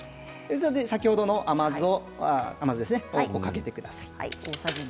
先ほどの甘酢をかけてください。